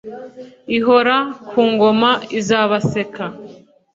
ihora ku ngoma izabaseka